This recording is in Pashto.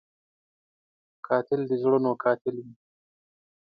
قاتل د زړونو قاتل وي